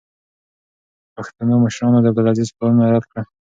پښتنو مشرانو د عبدالعزیز پلانونه رد کړل.